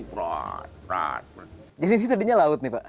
jadi ini tadinya laut nih pak